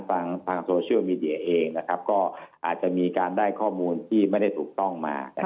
ฟังโซเชียลมีเดียอาจจะมีการได้ข้อมูลที่ไม่ได้ถูกต้องมา